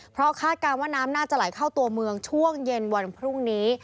เพราะคาดการณ์ว่าน้ำน่าจะไหลเข้าตัวเมืองช่วงเย็นวันพรุ่งนี้